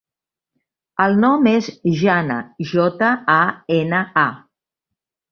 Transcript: El nom és Jana: jota, a, ena, a.